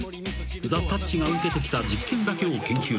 ［ザ・たっちが受けてきた実験だけを研究すると］